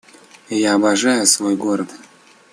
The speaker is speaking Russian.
Я обожаю свой город